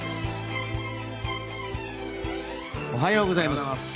おはようございます。